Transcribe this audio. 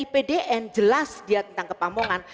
pdn jelas dia tentang kepamungan